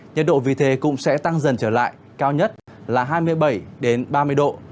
nhiệt độ vì thế cũng sẽ tăng dần trở lại cao nhất là hai mươi bảy ba mươi độ